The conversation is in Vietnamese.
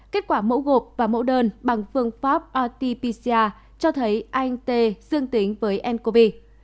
kết quả mẫu gộp và mẫu đơn bằng phương pháp rt pcr cho thấy anh tê dương tính với ncov